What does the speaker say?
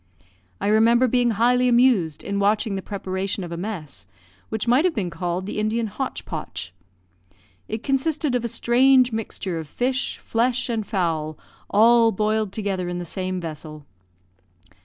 I remember being highly amused in watching the preparation of a mess, which might have been called the Indian hotch potch. It consisted of a strange mixture of fish, flesh, and fowl, all boiled together in the same vessel.